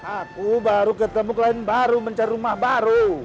aku baru ketemu klien baru mencari rumah baru